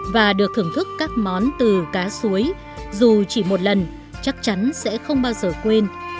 và được thưởng thức các món từ cá suối dù chỉ một lần chắc chắn sẽ không bao giờ quên